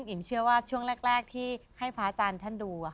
อิ๋มเชื่อว่าช่วงแรกที่ให้พระอาจารย์ท่านดู